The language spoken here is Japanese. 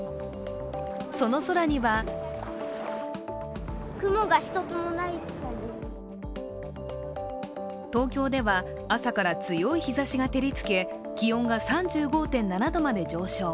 その空には東京では朝から強い日ざしが照りつけ気温が３５．７度まで上昇。